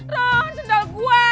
ron sendal gua